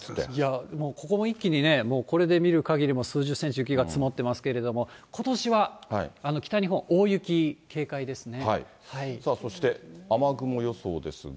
もうここも一気にね、これで見るかぎり数十センチ雪が積もってますけれども、ことしはさあ、そして雨雲予想ですが。